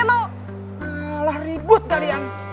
nyalah ribut kalian